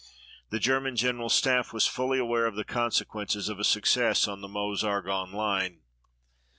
The German General Staff was fully aware of the consequences of a success on the Meuse Argonne line.